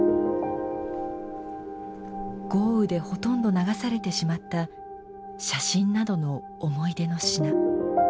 豪雨でほとんど流されてしまった写真などの思い出の品。